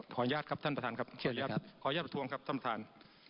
ขออนุญาตครับท่านประธานครับเชิญเลยครับขออนุญาตประทวงครับท่านประธาน